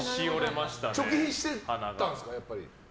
貯金してたんですか？